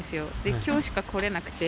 きょうしか来れなくて。